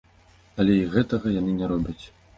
Але і гэтага яны не робяць!